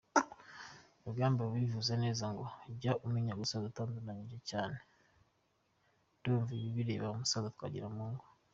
Rugamba yabivuze ne ngo “jya umenya gusaza utanduranyije cyane” ndumva ibi bireba umusaza Twagiramungu.